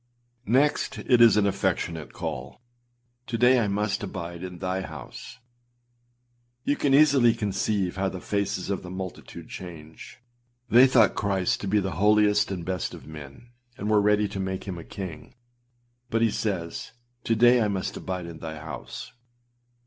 â 5. Next, it is an affectionate call. âTo day I must abide in thy house.â You can easily conceive how the faces of the multitude change! They thought Christ to be the holiest and best of men, and were ready to make him a king. But he says, âTo day I must abide in thy house.